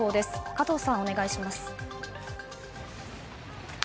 加藤さん、お願いします。